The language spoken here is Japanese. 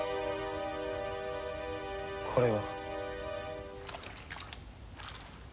これは。